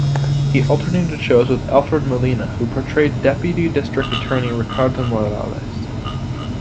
He alternated shows with Alfred Molina, who portrayed Deputy District Attorney Ricardo Morales.